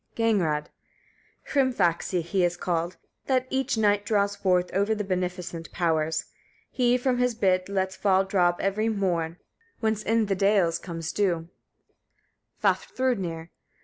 Gagnrâd. 14. Hrimfaxi he is called, that each night draws forth over the beneficent powers. He from his bit lets fall drops every morn, whence in the dales comes dew. Vafthrûdnir. 15.